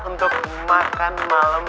untuk makan malam